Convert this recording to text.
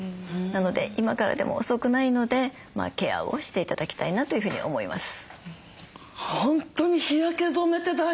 なので今からでも遅くないのでケアをして頂きたいなというふうに思います。